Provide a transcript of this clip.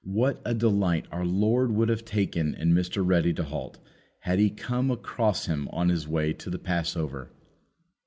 What a delight our Lord would have taken in Mr. Ready to halt had He come across him on His way to the passover!